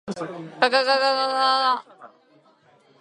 ががががががが。